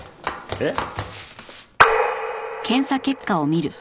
えっ。